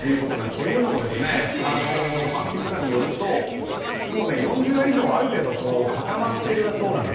というのも金さんによると４０代以上はある程度固まっているそうなんです。